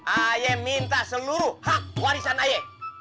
ayo minta seluruh hak warisan ayo